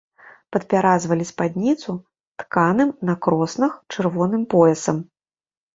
Падпяразвалі спадніцу тканым на кроснах чырвоным поясам.